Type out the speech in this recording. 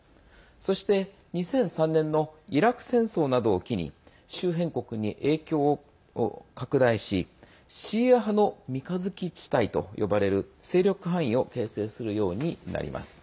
そして、２００３年のイラク戦争などを機に周辺国に影響を拡大しシーア派の三日月地帯と呼ばれる勢力範囲を形成するようになります。